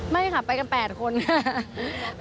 ไม่ค่ะไปกัน๘คนค่ะ